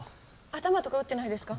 頭とか打ってないですか？